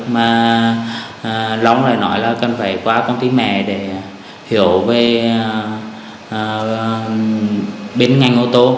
mà lóng lại nói là cần phải qua công ty mẹ để hiểu về biến ngành ô tô